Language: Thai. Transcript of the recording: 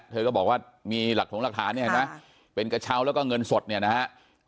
เธอก็บอกว่ามีหลักฐานเนี่ยเป็นกระเช้าแล้วก็เงินสดเนี่ยนะครับ